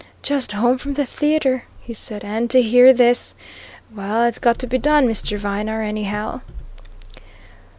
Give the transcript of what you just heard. "Just home from the theatre!" he said. "And to hear this! Well, it's got to be done, Mr. Viner, anyhow."